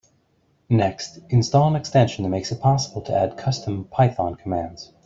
Next, install an extension that makes it possible to add custom Python commands.